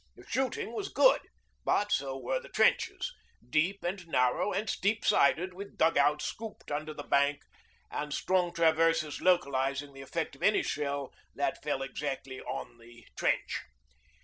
The shooting was good, but so were the trenches deep and narrow, and steep sided, with dug outs scooped under the bank and strong traverses localising the effect of any shell that fell exactly on the trench.